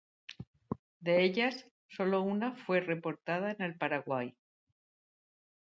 De ellas solo una fue reportada en el Paraguay.